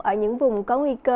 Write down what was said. ở những vùng có nguyên liệu